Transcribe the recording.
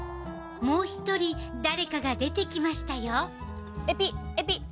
もう１人、誰かが出てきましたよ。